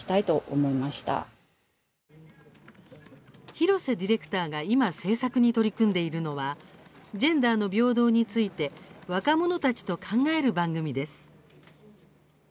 廣瀬ディレクターが今、制作に取り組んでいるのはジェンダーの平等について若者たちと考える番組です。